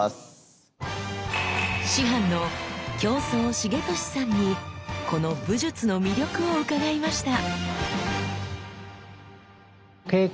師範の京増重利さんにこの武術の魅力を伺いました。